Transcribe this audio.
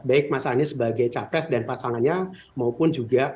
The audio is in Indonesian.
baik mas anis sebagai capres dan pasangannya maupun juga partai kuantum